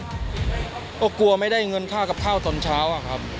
ก็กลัวไม่ได้เงินค่ากับข้าวสอนเช้า